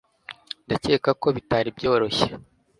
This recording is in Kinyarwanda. ndakeka ko bitari byoroshye